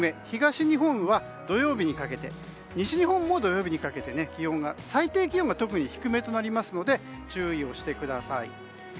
東日本は土曜日にかけて西日本も土曜日にかけて最低気温が特に低めとなりますので注意してください。